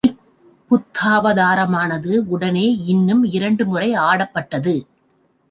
இப் புத்தாவதாரமானது, உடனே இன்னும் இரண்டு முறை ஆடப்பட்டது.